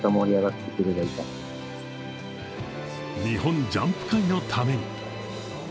日本ジャンプ界のために。